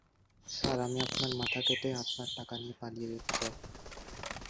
Sir, আমি আপনার মাথা কেটে আপনার টাকা নিয়ে পালিয়ে যেতে চাই।